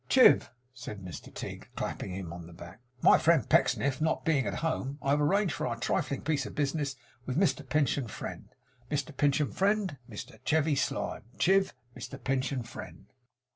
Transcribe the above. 'Chiv,' said Mr Tigg, clapping him on the back, 'my friend Pecksniff not being at home, I have arranged our trifling piece of business with Mr Pinch and friend. Mr Pinch and friend, Mr Chevy Slyme! Chiv, Mr Pinch and friend!